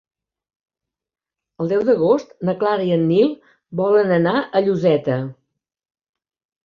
El deu d'agost na Clara i en Nil volen anar a Lloseta.